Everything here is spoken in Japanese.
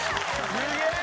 すげえ！